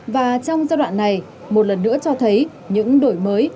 và trong giai đoạn này một lần nữa cho thấy những đổi mới